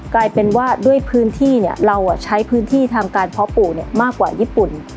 กลายเป็นว่าด้วยพื้นที่เราใช้พื้นที่ทางการเพาะปลูกมากกว่าญี่ปุ่น